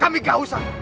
kami gak usah